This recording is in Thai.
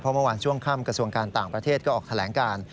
เมื่อวานช่วงค่ำกระทรวงการต่างประเทศก็ออกแถลงการ